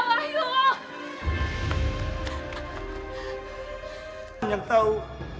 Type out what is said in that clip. karis kawah yuk